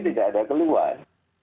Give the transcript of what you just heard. tidak ada keluhan